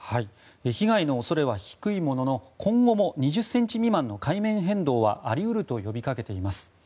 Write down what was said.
被害の恐れは低いものの今後も２０ｃｍ未満の海面変動はあり得ると呼びかけています。